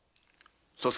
佐助。